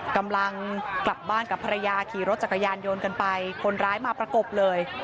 กำลังกลับบ้านกับภรรยาขี่รถจักรยานยนต์กันไปคนร้ายมาประกบเลย